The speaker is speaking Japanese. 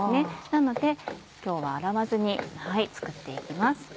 なので今日は洗わずに作って行きます。